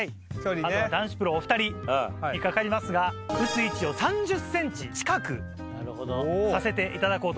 あとは男子プロお２人にかかりますが打つ位置を３０ｃｍ近くさせていただこうと思います。